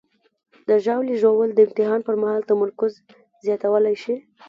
د ژاولې ژوول د امتحان پر مهال تمرکز زیاتولی شي.